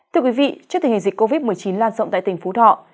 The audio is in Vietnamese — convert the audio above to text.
thưa quý vị trước tình hình dịch covid một mươi chín lan rộng tại tỉnh phú thọ